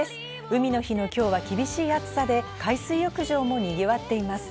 海の日の今日は厳しい暑さで、海水浴場もにぎわっています。